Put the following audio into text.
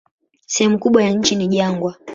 Sehemu kubwa ya nchi ni jangwa.